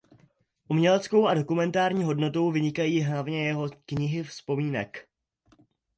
Uměleckou a dokumentární hodnotou vynikají hlavně jeho knihy vzpomínek.